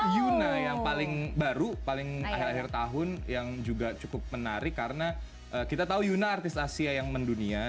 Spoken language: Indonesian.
yuna yang paling baru paling akhir akhir tahun yang juga cukup menarik karena kita tahu yuna artis asia yang mendunia